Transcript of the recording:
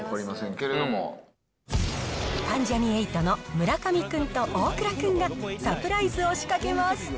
けれ関ジャニ∞の村上君と大倉君が、サプライズを仕掛けます。